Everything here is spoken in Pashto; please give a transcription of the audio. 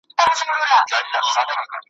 لا به تر څو د خپل ماشوم زړګي تسل کومه ,